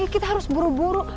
kita harus buru buru